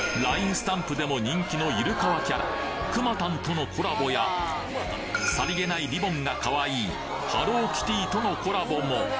スタンプでも人気のゆるカワキャラクマタンとのコラボやさり気ないリボンが可愛いハローキティとのコラボも！